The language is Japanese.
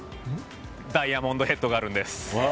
ダイヤモンドヘッドがあるんです。